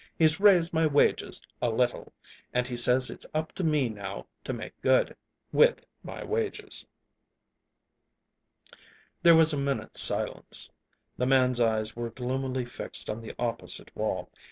He's raised my wages a little, and he says it's up to me now to make good with my wages." There was a minute's silence. The man's eyes were gloomily fixed on the opposite wall.